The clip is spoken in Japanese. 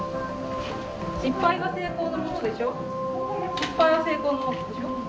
失敗は成功のもとでしょ。